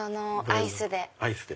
アイスで。